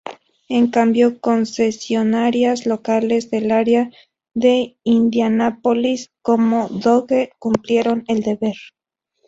En cambio, concesionarias locales del área de Indianápolis como Dodge cumplieron el deber.